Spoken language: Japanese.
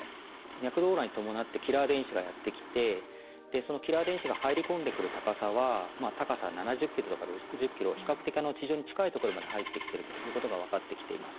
脈動オーロラに伴ってキラー電子がやって来てそのキラー電子が入り込んでくる高さは高さ７０ｋｍとか６０ｋｍ比較的地上に近いところまで入ってきてるということが分かってきています。